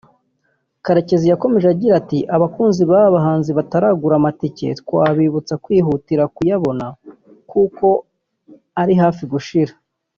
Karekezi yakomeje agira ati “Abakunzi b’aba bahanzi bataragura amatike twabibutsa kwihutira kuyabona kuko ari hafi gushira